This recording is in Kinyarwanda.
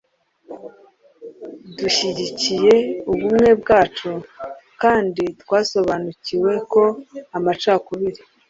dushyigikiye ubumwe bwacu kandi twasobanukiwe ko amacakubiri